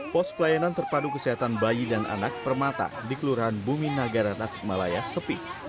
pos pelayanan terpadu kesehatan bayi dan anak permata di kelurahan bumi nagara tasikmalaya sepi